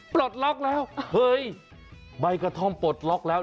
ปลดล็อกแล้วเฮ้ยใบกระท่อมปลดล็อกแล้ว